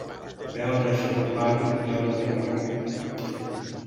Beure xarrupant, beure de bergant.